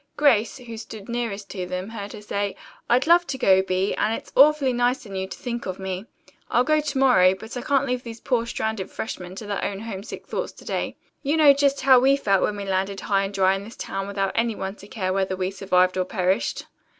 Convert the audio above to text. Grace, who stood nearest to them, heard her say, "I'd love to go, Bee, and its awfully nice in you to think of me. I'll go to morrow, but I can't leave these poor stranded freshmen to their own homesick thoughts to day. You know just how we felt when we landed high and dry in this town without any one to care whether we survived or perished."